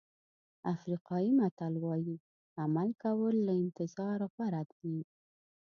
افریقایي متل وایي عمل کول له انتظار غوره دي.